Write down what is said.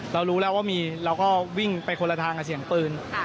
เรารู้แล้วว่ามีเราก็วิ่งไปคนละทางกับเสียงปืน